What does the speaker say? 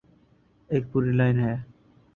ایک پوری لائن ہے۔